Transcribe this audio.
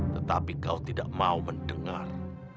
tetapi kau tidak mau mendengar